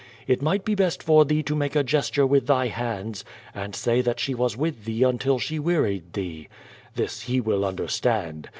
It might be best for thee to make a gesture with tliy hands and say that she was with thee until she wearied thee. This he will under stand.